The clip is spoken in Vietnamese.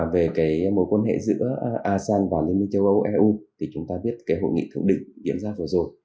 về mối quan hệ giữa asean và châu âu eu chúng ta viết hội nghị thượng định